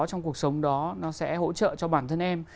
trong cuộc sống đó nó sẽ hỗ trợ cho bản thân em